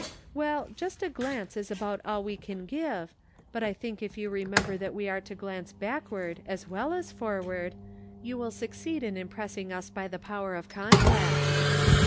" Well, just a glance is about all we can give, but I think if you remember that we are to glance backward as well as forward, you will succeed in impressing us by the power of contrast."